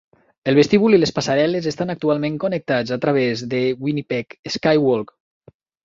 El vestíbul i les passarel·les estan actualment connectats a través del Winnipeg Skywalk.